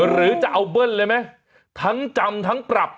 หรือจะเอาเบิ้ลเลยไหมทั้งจำทั้งปรับ